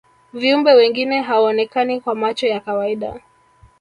viumbe wengine hawaonekani kwa macho ya kawaida